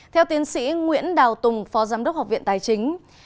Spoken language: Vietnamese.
theo tiến sĩ nguyễn đào tùng phó giám đốc học viện tài chính